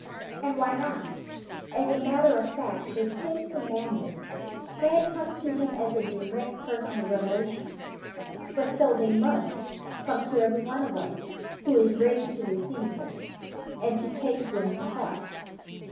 And why not? As a matter of fact, the Ten Commandments had come to him as a direct personal revelation for so they must come to every one of us who is ready to receive them and to take them to heart.